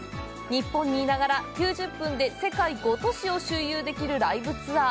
日本にいながら９０分で世界５都市を周遊できるライブツアー！